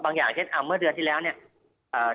อย่างเช่นอ่าเมื่อเดือนที่แล้วเนี่ย